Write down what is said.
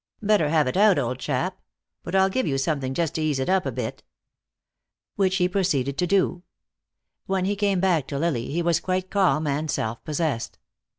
"Better have it out, old chap. But I'll give you something just to ease it up a bit." Which he proceeded to do. When he came back to Lily he was quite calm and self possessed.